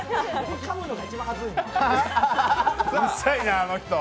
かむのが一番恥ずいな。